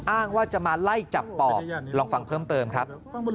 อ้างว่าจะมาไล่จับปอบลองฟังเพิ่มเติมครับ